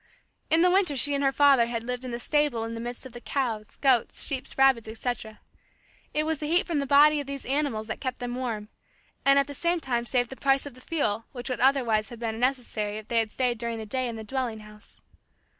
In the winter she and her father had lived in the stable in the midst of the cows, goats, sheep, rabbits, etc. It was the heat from the bodies of these animals that kept them quite warm; and at the same time saved the price of the fuel which would otherwise have been necessary if they had stayed during the day in the dwelling house.